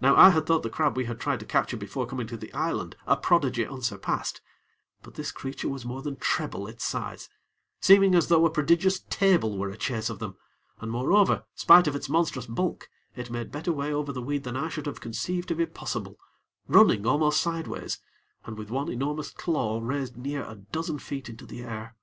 Now I had thought the crab we had tried to capture before coming to the island, a prodigy unsurpassed; but this creature was more than treble its size, seeming as though a prodigious table were a chase of them, and moreover, spite of its monstrous bulk, it made better way over the weed than I should have conceived to be possible running almost sideways, and with one enormous claw raised near a dozen feet into the air.